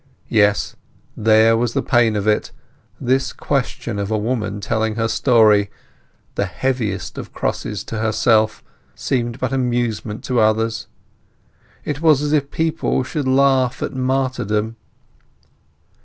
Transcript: Yes, there was the pain of it. This question of a woman telling her story—the heaviest of crosses to herself—seemed but amusement to others. It was as if people should laugh at martyrdom.